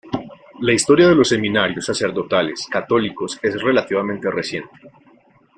La historia de los seminarios sacerdotales católicos es relativamente reciente.